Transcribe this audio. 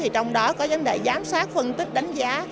trong đó có vấn đề giám sát phân tích đánh giá